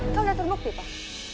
kau gak terbukti pak